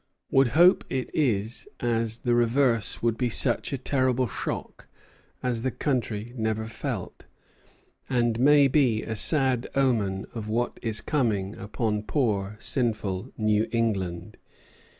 Would hope it is, as the reverse would be such a terrible shock as the country never felt, and may be a sad omen of what is coming upon poor sinful New England.